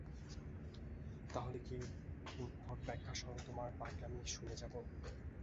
তাহলে কি উদ্ভট ব্যাখ্যা সহ তোমার পাগলামি শুনে যাবো?